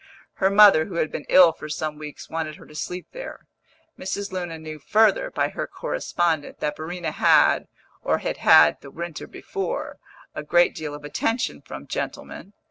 Her mother, who had been ill for some weeks, wanted her to sleep there. Mrs. Luna knew further, by her correspondent, that Verena had or had had the winter before a great deal of attention from gentlemen.